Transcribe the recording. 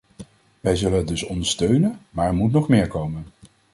Wij zullen het dus ondersteunen, maar er moet nog meer komen.